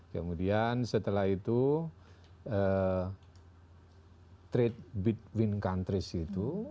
kemudian setelah itu trade between countries gitu